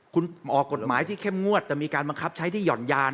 คุณออกกฎหมายที่เข้มงวดแต่มีการบังคับใช้ที่หย่อนยาน